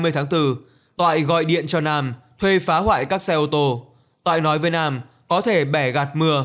hai mươi tháng bốn toại gọi điện cho nam thuê phá hoại các xe ô tô toại nói với nam có thể bẻ gạt mưa